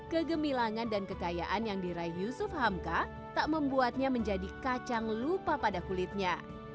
kegemilangan dan kekayaan yang diraih yusuf hamka tak membuatnya menjadi kacang lupa pada kulitnya